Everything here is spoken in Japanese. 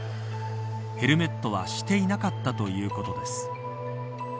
ヘルメットはしていなかったということです。